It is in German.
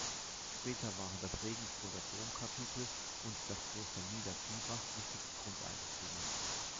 Später waren das Regensburger Domkapitel und das Kloster Niederviehbach wichtige Grundeigentümer.